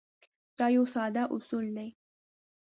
دا یو ساده اصول دی.